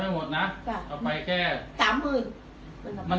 สวัสดีทุกคน